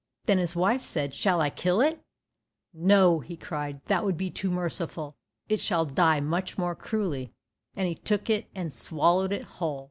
Then his wife said, "Shall I kill it?" "No," cried he, "that would be too merciful. It shall die much more cruelly," and he took it and swallowed it whole.